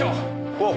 おう。